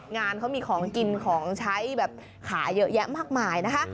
งานเขามีของกินของใช้แบบขายเยอะแยะมากมายนะคะ